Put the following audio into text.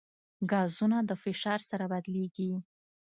ګازونه د فشار سره بدلېږي.